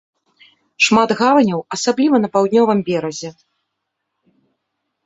Шмат гаваняў, асабліва на паўднёвым беразе.